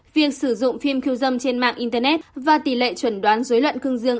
việc sử dụng phim khiêu dâm trên mạng internet và tỷ lệ chuẩn đoán dối loạn cương dương